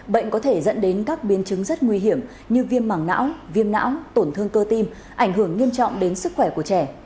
bệnh có thể dẫn đến các biến chứng rất nguy hiểm như viêm mảng não viêm não tổn thương cơ tim ảnh hưởng nghiêm trọng đến sức khỏe của trẻ